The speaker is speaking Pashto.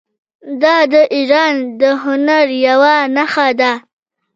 دا د ایران د هنر یوه نښه ده.